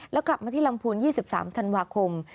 แล้วกลับมาที่ลำพูน๒๓ธันวาคม